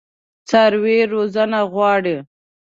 څاروي روزنه غواړي.